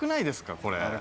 これ。